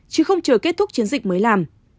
chứ không chờ kết thúc chiến dịch mới làm